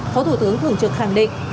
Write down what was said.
phó thủ tướng thường trực khẳng định